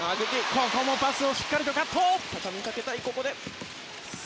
ここもパスをしっかりカット。